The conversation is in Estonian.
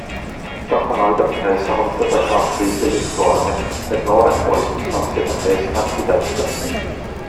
Tahan aidata neil saavutada head füüsilist vormi, et noored poisid saaksid oma eesmärki täita!